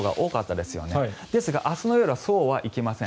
ですが、明日の夜はそうはいきません。